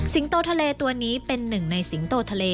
โตทะเลตัวนี้เป็นหนึ่งในสิงโตทะเล